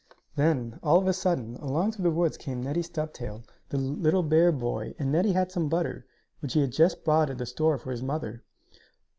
Then, all of a sudden, along through the woods came Neddie Stubtail, the little bear boy, and Neddie had some butter, which he had just bought at the store for his mother.